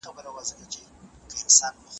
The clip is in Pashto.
موږ خو به شپې کړو د رحمن په آیتونو سپیني